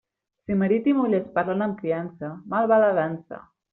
Si marit i muller es parlen amb criança, mal va la dansa.